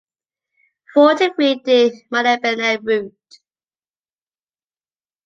Forty-three de Mirebinet Route